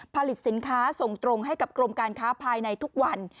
ผลิตสินค้าส่งตรงให้กับกรมการค้าภายในทุกวัน